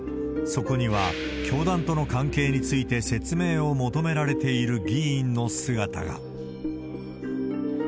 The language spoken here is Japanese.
そこには、教団との関係について説明を求められている議員の姿が。